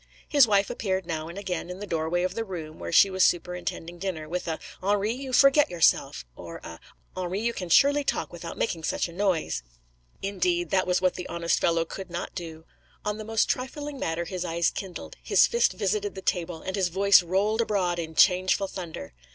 His wife appeared now and again in the doorway of the room, where she was superintending dinner, with a 'Henri, you forget yourself,' or a 'Henri, you can surely talk without making such a noise.' Indeed, that was what the honest fellow could not do. On the most trifling matter his eyes kindled, his fist visited the table, and his voice rolled abroad in changeful thunder.